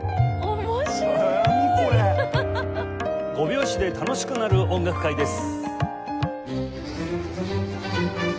「５拍子で楽しくなる音楽会」です。